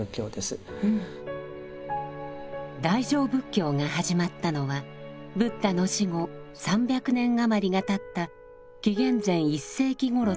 大乗仏教が始まったのはブッダの死後３００年余りがたった紀元前１世紀頃とされます。